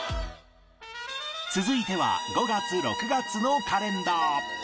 続いては５月６月のカレンダー